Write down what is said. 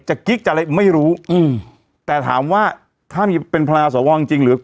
กิ๊กจะอะไรไม่รู้อืมแต่ถามว่าถ้ามีเป็นพลังสวจริงจริงหรือ